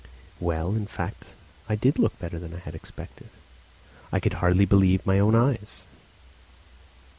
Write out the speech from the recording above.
Well, in fact I did look better than I had expected. I could hardly believe my own eyes.